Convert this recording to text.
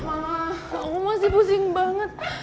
malah aku masih pusing banget